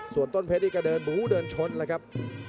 ส่วนต้นเพชรอยังกาเดินหมู่เดินชนแล้วกันครับ